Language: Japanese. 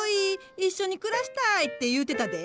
一緒に暮らしたい！」って言うてたで。